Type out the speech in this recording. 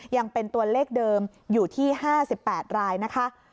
ยังเป็นตัวเลขเดิมอยู่ที่๕๘รายนะคะ